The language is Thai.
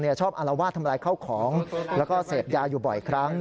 ชอบอารวาสทำลายข้าวของแล้วก็เสพยาอยู่บ่อยครั้ง